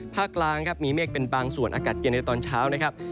กลางครับมีเมฆเป็นบางส่วนอากาศเย็นในตอนเช้านะครับ